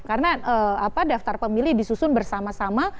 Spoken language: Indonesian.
karena daftar pemilih disusun bersama sama